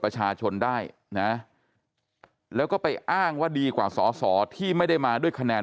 ประชาชนได้นะแล้วก็ไปอ้างว่าดีกว่าสอสอที่ไม่ได้มาด้วยคะแนน